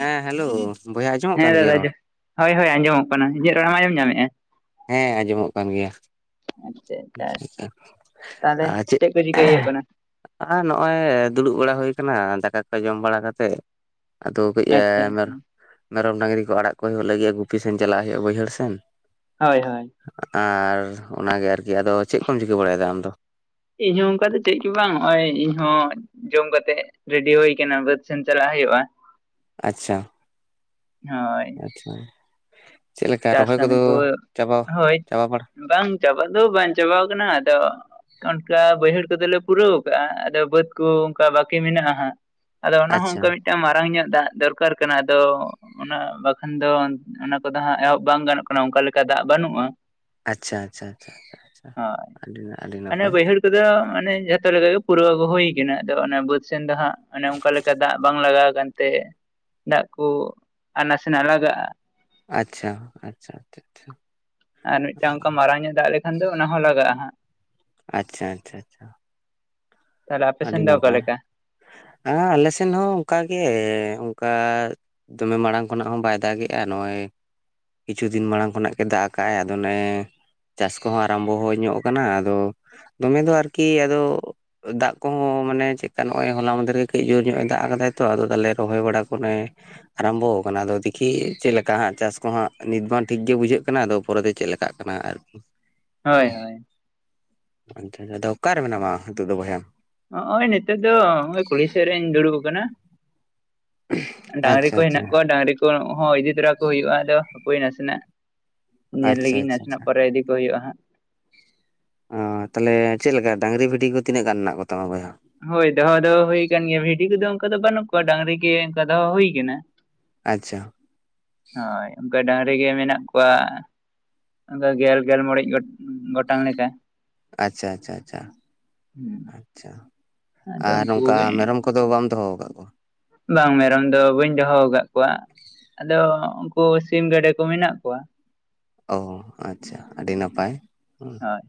ᱦᱮᱸ ᱦᱮᱞᱳ᱾ ᱵᱚᱭᱦᱟ ᱟᱸᱡᱚᱢᱚᱜ ᱦᱮᱸ ᱠᱟᱱ ᱜᱮᱭᱟ ᱫᱟᱫᱟ ᱨᱚᱲ ᱦᱳᱭ ᱦᱳᱭ ᱟᱸᱡᱚᱢᱚᱜ ᱠᱟᱱᱟ, ᱤᱧᱟᱹᱜ ᱨᱚᱲ ᱢᱟ ᱟᱸᱡᱚᱢ ᱧᱟᱢᱮᱫᱼᱟ? ᱦᱮᱸ ᱟᱸᱡᱚᱢᱚᱜ ᱠᱟᱱ ᱜᱮᱭᱟ᱾ ᱟᱪᱪᱷᱟ ᱟᱪᱪᱷᱟ ᱛᱟᱦᱚᱞᱮ ᱟ ᱪᱮᱫ᱾ ᱠᱚ ᱪᱤᱠᱟᱹᱭ ᱦᱩᱭᱩᱜ ᱠᱟᱱᱟ ᱟᱨ ᱱᱚᱜᱼᱚᱭ ᱫᱩᱲᱩᱵ ᱵᱟᱲᱟ ᱦᱩᱭ ᱟᱠᱟᱱᱟ ᱫᱟᱠᱟ ᱠᱚ ᱡᱚᱢ ᱵᱟᱲᱟ ᱠᱟᱛᱮᱜ᱾ ᱟᱫᱚ ᱠᱟᱹᱡ ᱟᱪᱪᱷᱟ ᱟᱪᱪᱷᱟ ᱮᱻᱢᱮᱨᱚᱢ ᱰᱟᱝᱨᱤ ᱠᱚ ᱟᱲᱟᱜ ᱠᱚ ᱦᱩᱭᱩᱜ ᱞᱟᱹᱜᱤᱫ ᱜᱩᱯᱤ ᱥᱮᱱ ᱪᱟᱞᱟᱜ ᱦᱩᱭᱩᱜᱼᱟ ᱵᱟᱹᱭᱦᱟᱹᱲ ᱥᱮᱱ᱾ ᱦᱳᱭ ᱦᱳᱭ ᱾ ᱟᱨ ᱚᱱᱟᱜᱮ ᱟᱨᱠᱤ ᱟᱫᱚ ᱪᱮᱫ ᱠᱚᱢ ᱪᱤᱠᱮ ᱵᱟᱲᱟᱭᱮᱫᱟ ᱟᱢᱫᱚ? ᱤᱧ ᱦᱚᱸ ᱚᱱᱠᱟ ᱫᱚ ᱪᱮᱫ ᱜᱮ ᱵᱟᱝ ᱦᱚᱸᱜᱼᱚᱭ ᱤᱧ ᱦᱚᱸ- ᱡᱚᱢ ᱠᱟᱛᱮᱜ ᱨᱮᱰᱤ ᱦᱩᱭ ᱠᱟᱱᱟ ᱵᱟᱹᱫᱽ ᱥᱮᱱ ᱪᱟᱞᱟᱜ ᱦᱩᱭᱩᱜᱼᱟ᱾ ᱟᱪᱪᱷᱟ᱾ ᱦᱳᱭ᱾ ᱟᱪᱪᱷᱟ ᱪᱮᱫᱞᱮ ᱞᱮᱠᱟ ᱪᱟᱥ ᱨᱚᱦᱚᱭ ᱠᱚᱫᱚᱻ ᱠᱟᱹᱢᱤ ᱠᱚ ᱪᱟᱵᱟ ᱦᱳᱭ ᱪᱟᱵᱟ ᱵᱟᱲᱟ? ᱵᱟᱝ ᱪᱟᱵᱟ ᱫᱚ ᱵᱟᱝᱪᱟᱵᱟᱣ ᱠᱟᱱᱟ ᱟᱫᱚ- ᱚᱱᱠᱟ ᱵᱟᱹᱭᱦᱟᱹᱲ ᱠᱚᱫᱚᱞᱮ ᱯᱩᱨᱟᱹᱣ ᱟᱠᱟᱟᱜᱼᱟ ᱵᱟᱹᱫ ᱠᱚ ᱚᱱᱠᱟ ᱢᱮᱱᱟᱜᱼᱟ ᱦᱟᱸᱜ᱾ ᱟᱫᱚ ᱚᱱᱟ ᱦᱚᱸ ᱟᱪᱪᱷᱟ ᱚᱱᱠᱟ ᱢᱤᱫ- ᱢᱤᱫᱴᱟᱝ ᱢᱟᱨᱟᱝ ᱧᱚᱜ ᱫᱟᱜ ᱫᱚᱨᱠᱟᱨ ᱠᱟᱱᱟ ᱟᱫᱚᱻ ᱚᱱᱟ ᱵᱟᱠᱷᱟᱱ ᱫᱚ ᱚᱱᱟ ᱠᱚᱫᱚ ᱦᱟᱸᱜ ᱮᱦᱚᱵ- ᱵᱟᱝ ᱜᱟᱱᱚᱜ ᱠᱟᱱᱟ ᱚᱱᱠᱟ ᱞᱮᱠᱟ ᱫᱟᱜ ᱵᱟᱹᱱᱩᱜᱼᱟ᱾ ᱟᱪᱪᱷᱟ ᱟᱪᱪᱷᱟ ᱟᱹᱰᱤ ᱟᱹᱰᱤ ᱱᱟᱯᱟᱭ᱾ ᱫᱚ ᱢᱟᱱᱮ ᱡᱷᱚᱛᱚ ᱞᱮᱠᱟᱜᱮ ᱯᱩᱨᱟᱹᱣ ᱠᱚ ᱦᱩᱭᱠᱟᱱᱟ, ᱟᱫᱚ ᱚᱱᱟ ᱵᱟᱹᱫ ᱥᱮᱱ ᱫᱚ ᱦᱟᱜᱸ ᱼ ᱚᱱᱮ ᱚᱱᱠᱟ ᱞᱮᱠᱟ ᱫᱟᱜ ᱵᱟᱝ ᱞᱟᱜᱟᱣ ᱠᱟᱱᱛᱮ ᱫᱟᱜ ᱠᱚ ᱟᱱᱟᱥᱮᱱᱟᱜ ᱞᱟᱜᱟᱜᱼᱟ᱾ ᱟᱪᱪᱷᱟ ᱟᱪᱪᱷᱟ᱾ ᱟᱨ ᱢᱤᱫᱴᱟᱝ ᱚᱱᱠᱟ ᱢᱟᱨᱟᱝ ᱧᱚᱜ ᱫᱟᱜ ᱞᱮᱠᱷᱟᱱ ᱫᱚ ᱚᱱᱟ ᱦᱚᱸ ᱞᱟᱜᱟᱜᱼᱟ ᱦᱟᱸᱜ᱾ ᱟᱪᱪᱷᱟ ᱟᱪᱪᱷᱟ ᱟᱪᱪᱷᱟ᱾ ᱛᱟᱦᱚᱞᱮ ᱟᱯᱮ ᱟᱹᱰᱤ ᱥᱮᱱ ᱫᱚ ᱚᱠᱟ ᱱᱟᱯᱟᱭ᱾ ᱞᱮᱠᱟ ᱦᱮ ᱟᱞᱮ ᱥᱮᱱ ᱦᱚᱸ ᱚᱱᱠᱟᱜᱮ ᱚᱱᱠᱟ- ᱫᱚᱢᱮ ᱢᱟᱲᱟᱝ ᱠᱷᱚᱱᱟᱜ ᱦᱚᱸ ᱵᱟᱭ ᱫᱟᱜᱮᱜᱼᱟ ᱱᱚᱜᱼᱚᱭ- ᱠᱤᱪᱷᱩ ᱫᱤᱱ ᱢᱟᱲᱟᱝ ᱠᱷᱚᱱᱟᱜ ᱜᱮ ᱫᱟᱜ ᱟᱠᱟᱟᱜᱼ ᱟᱭ ᱟᱫᱚ ᱚᱱᱮ- ᱪᱟᱥ ᱠᱚᱦᱚᱸ ᱟᱨᱟᱢᱵᱚ ᱦᱚ ᱠᱟᱱᱟ ᱟᱫᱚᱻ ᱫᱚᱢᱮ ᱫᱚ ᱟᱨᱠᱤ ᱟᱫᱚ- ᱠᱚᱦᱚᱸ ᱢᱟᱱᱮ ᱪᱮᱫᱠᱟ ᱱᱚᱜᱼᱚᱭ ᱦᱚᱞᱟ ᱠᱚᱦᱚᱸᱻ ᱢᱟᱱᱮ ᱦᱚᱞᱟ ᱪᱮᱫᱠᱟ ᱱᱚᱜ-ᱚᱭ ᱢᱚᱫᱫᱷᱮᱨ ᱨᱮ ᱜᱮ ᱠᱟᱹᱡ ᱡᱳᱨ ᱧᱚᱜᱼ ᱮ ᱫᱟᱜ ᱟᱠᱟᱫᱟᱭ ᱛᱚ ᱟᱫᱚ ᱛᱟᱞᱮ ᱨᱚᱦᱚᱭ ᱵᱟᱲᱟᱠ ᱠᱚᱱᱮᱻ ᱟᱨᱟᱢᱵᱚ ᱟᱠᱟᱱᱟ ᱟᱫᱚ ᱫᱤᱠᱷᱤ ᱪᱮᱫ ᱞᱮᱠᱟ ᱦᱟᱸᱜ ᱪᱟᱥ ᱠᱚᱦᱟᱸᱜ ᱱᱤᱛ ᱵᱟᱝ ᱴᱷᱤᱠ ᱜᱮ ᱵᱩᱡᱷᱟᱹᱜ ᱠᱟᱱᱟ ᱟᱫᱚ ᱯᱚᱨᱮ ᱫᱚ ᱪᱮᱫ ᱞᱮᱠᱟ? ᱠᱟᱱᱟ ᱟᱨᱠᱤ᱾ ᱦᱳᱭ ᱦᱮᱸ ᱦᱳᱭ ᱟᱪᱪᱷᱟ ᱟᱫᱚ ᱚᱠᱟᱨᱮ ᱢᱮᱱᱟᱢᱟ ᱱᱤᱛᱚᱜ ᱵᱚᱭᱦᱟ? ᱱᱚᱜ-ᱚᱭ ᱱᱤᱛᱳ ᱫᱚ ᱱᱚᱜ ᱠᱩᱲᱦᱤ ᱥᱮᱫ ᱨᱮᱧ ᱫᱩᱲᱩᱵ ᱟᱠᱟᱱᱟ᱾ ᱰᱟᱝᱨᱤ ᱟᱪᱪᱷᱟ ᱠᱚ ᱟᱪᱪᱷᱟ ᱦᱮᱱᱟᱜ ᱠᱚᱣᱟ, ᱰᱟᱝᱨᱤ ᱠᱚ ᱤᱫᱤ ᱛᱚᱨᱟ ᱠᱚ ᱦᱩᱭᱩᱜᱼᱟ ᱟᱫᱚ ᱦᱟᱯᱳᱭ ᱱᱟᱥᱮᱱᱟᱜ᱾ ᱧᱮᱞ ᱟᱪᱪᱷᱟ ᱞᱟᱹᱜᱤᱧ ᱟᱪᱪᱷᱟ ᱱᱟᱥᱮᱱᱟᱜ ᱯᱚᱨᱮ ᱤᱫᱤ ᱠᱚ ᱦᱩᱭᱩᱜᱼᱟ ᱦᱟᱸᱜ᱾ ᱚᱻ ᱛᱟᱦᱚᱞᱮ ᱪᱮᱫᱞᱮᱠᱟ ᱰᱟᱝᱨᱤ ᱵᱷᱤᱰᱤ ᱠᱚ ᱛᱤᱱᱟᱹᱜ ᱜᱟᱱ ᱢᱮᱱᱟᱜ ᱠᱚᱛᱟᱢᱟ ᱵᱚᱭᱦᱟ? ᱦᱳᱭ ᱫᱚᱦᱚ ᱫᱚᱦᱚ ᱦᱩᱭ ᱟᱠᱟᱱ ᱜᱮᱭᱟ ᱵᱷᱤᱰᱤ ᱠᱚᱫᱚ ᱚᱱᱠᱟ ᱫᱚ ᱵᱟᱹᱱᱩᱜ ᱠᱚᱣᱟ ᱰᱟᱝᱨᱤ ᱜᱮ ᱚᱱᱠᱟ ᱫᱚᱦᱚ ᱦᱩᱭᱟᱠᱟᱱᱟ᱾ ᱟᱪᱪᱷᱟ᱾ ᱦᱳᱭ ᱚᱱᱠᱟ ᱰᱟᱝᱨᱤ ᱜᱮ ᱢᱮᱱᱟᱜ ᱠᱚᱣᱟ ᱟᱫᱚ ᱜᱮᱞ ᱜᱮᱞ ᱢᱚᱬᱮᱡ ᱜᱚᱴᱟᱝ ᱞᱮᱠᱟ᱾ ᱟᱪᱪᱷᱟ ᱟᱪᱪᱷᱟ ᱟᱪᱪᱷᱟ ᱦᱮᱸ ᱟᱪᱪᱷᱟ ᱟᱫᱚ ᱟᱨ ᱩᱱᱠᱩ ᱱᱚᱝᱠᱟ ᱠᱚᱜᱮ ᱢᱮᱨᱚᱢ ᱠᱚ- ᱠᱚᱫᱚ ᱵᱟᱢ ᱫᱚᱦᱚ ᱠᱟᱜ ᱠᱚᱣᱟ? ᱵᱟᱝ ᱢᱮᱨᱚᱢ ᱫᱚ ᱵᱟᱹᱧ ᱫᱚᱦᱚ ᱠᱟᱜ ᱠᱚᱣᱟ᱾ ᱟᱫᱚ ᱩᱱᱠᱩ ᱥᱤᱢ ᱜᱮᱰᱮ ᱠᱚ ᱢᱮᱱᱟᱜ ᱠᱚᱣᱟ ᱾ ᱚ ᱟᱪᱪᱷᱟ ᱟᱹᱰᱤ ᱱᱟᱯᱟᱭ ᱾ ᱦᱳᱭ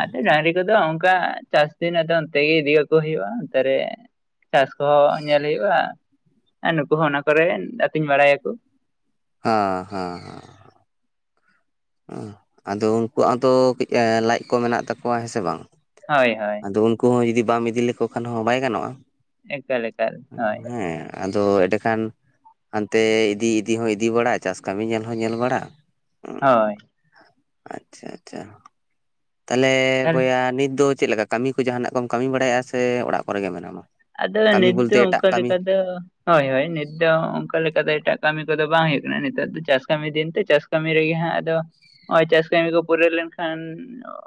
ᱟᱫᱚ ᱰᱟᱝᱨᱤ ᱠᱚᱫᱚ ᱚᱱᱠᱟ ᱪᱟᱥ ᱫᱤᱱ ᱟᱫᱚ ᱚᱱᱛᱮ ᱜᱮ ᱤᱫᱤᱠᱟᱠᱚ ᱦᱩᱭᱩᱜᱼᱟ ᱚᱱᱛᱮ ᱨᱮ ᱪᱟᱥ ᱠᱚᱦᱚᱸ ᱧᱮᱞ ᱦᱩᱭᱩᱜᱼᱟ ᱟᱨ ᱱᱩᱠᱩ ᱦᱚᱸ ᱚᱱᱟ ᱠᱚᱨᱮ ᱟᱹᱛᱤᱧ ᱵᱟᱲᱟᱭᱟᱠᱩ ᱾ ᱦᱮᱸ ᱦᱮᱸ ᱦᱮᱸ᱾ ᱟᱸ ᱟᱫᱚ ᱩᱱᱠᱩᱣᱟᱜ ᱦᱚᱸᱛᱚ ᱞᱟᱡ ᱠᱚ ᱢᱮᱱᱟᱜ ᱛᱟᱠᱚᱣᱟ ᱦᱮᱸᱥᱮ ᱵᱟᱝ? ᱦᱳᱭ ᱦᱳᱭ᱾ ᱟᱫᱚ ᱩᱱᱠᱩ ᱦᱚᱸ ᱤᱫᱤ ᱵᱟᱢ ᱤᱫᱤ ᱞᱮᱠᱚ ᱠᱷᱟᱱ ᱦᱚᱸ ᱵᱟᱭ ᱜᱟᱱᱚᱜᱼᱟ ᱮᱠᱟᱞ ᱮᱠᱟᱞ ᱦᱳᱭ ᱦᱮᱸ᱾ ᱟᱫᱚ ᱮᱸᱰᱮ ᱠᱷᱟᱱ ᱦᱟᱸᱱᱛᱮ ᱤᱫᱤ ᱤᱫᱤ ᱦᱚᱸ ᱤᱫᱤ ᱵᱟᱲᱟᱜ ᱪᱟᱥ ᱠᱟᱹᱢᱤ ᱧᱮᱞ ᱦᱚᱸ ᱧᱮᱞ ᱵᱟᱲᱟ ᱾ ᱦᱳᱭ᱾ ᱟᱪᱪᱷᱟ ᱟᱪᱪᱷᱟ, ᱛᱟᱦᱞᱮ ᱛᱟᱦᱚᱞᱮ ᱵᱚᱭᱟ ᱱᱤᱛ ᱫᱚ ᱪᱮᱫ ᱞᱮᱠᱟ ᱠᱟᱹᱢᱤ ᱠᱚ ᱡᱟᱦᱟᱸᱱᱟᱜ ᱠᱚᱢ ᱠᱟᱹᱢᱤ ᱵᱟᱲᱟᱭᱼᱟ ᱥᱮ ᱚᱲᱟᱜ ᱠᱚᱨᱮ ᱜᱮ ᱢᱮᱱᱟᱢᱟ? ᱟᱫᱚ ᱠᱟᱹᱢᱤ ᱱᱤᱛ ᱫᱚ ᱵᱚᱞᱛᱮ ᱮᱴᱟᱜ ᱚᱱᱠᱟ ᱞᱮᱠᱟ ᱠᱟᱹᱢᱤ ᱫᱚ ᱦᱳᱭ ᱦᱳᱭ ᱱᱤᱛ ᱫᱚ ᱚᱱᱠᱟ ᱞᱮᱠᱟ ᱫᱚ ᱮᱴᱟᱜ ᱠᱟᱹᱢᱤ ᱠᱚᱫᱚ ᱵᱟᱝ ᱦᱩᱭᱩᱜ ᱠᱟᱱᱟ ᱱᱮᱛᱟᱨ ᱫᱚ ᱪᱟᱥ ᱠᱟᱹᱢᱤ ᱫᱤᱱ ᱛᱚ ᱪᱟᱥ ᱠᱟᱹᱢᱤ ᱨᱮᱜᱮ ᱦᱟᱸᱜ ᱟᱫᱚ ᱱᱚᱸᱜᱼᱚᱭ ᱪᱟᱥ ᱠᱟᱹᱢᱤ ᱠᱚ ᱯᱩᱨᱟᱹᱣ ᱞᱮᱱᱠᱷᱟᱱ